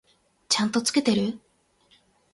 ちゃんと付けてる？